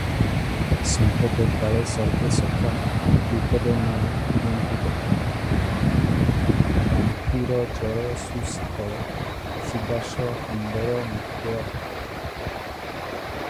These animals keep the corals clean, alive, and disease-free.